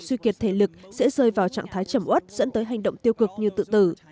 suy kiệt thể lực sẽ rơi vào trạng thái chầm ớt dẫn tới hành động tiêu cực như tự tử